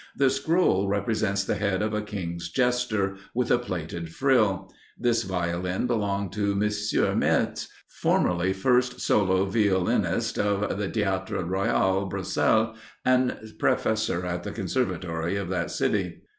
The scroll represents the head of a king's jester, with a plaited frill. This Violin belonged to M. Meerts, formerly first solo violinist of the Theatre Royal, Brussels, and professor at the Conservatory of that city.